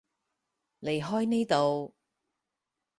離開呢度